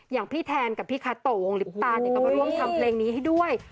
อย่างพี่แทนกับพี่คาโตวงลิปตาเนี่ยก็มาร่วมทำเพลงนี้ให้ด้วย